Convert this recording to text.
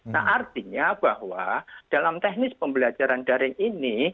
nah artinya bahwa dalam teknis pembelajaran daring ini